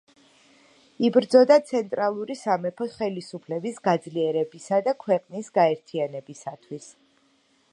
იბრძოდა ცენტრალური სამეფო ხელისუფლების გაძლიერებისა და ქვეყნის გაერთიანებისათვის.